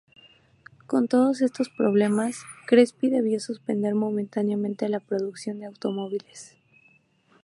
Con todos estos problemas, Crespi debió suspender momentáneamente la producción de automóviles.